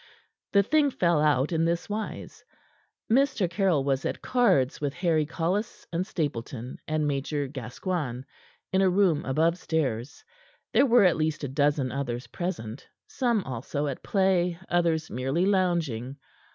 The thing fell out in this wise: Mr. Caryll was at cards with Harry Collis and Stapleton and Major Gascoigne, in a room above stairs. There were at least a dozen others present, some also at play, others merely lounging.